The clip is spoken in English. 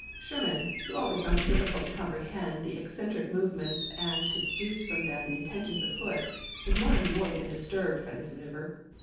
Sherman, who always found it difficult to comprehend the eccentric movements and to de duce from them the intentions of Hood, was more annoyed than disturbed by this manoeuvre.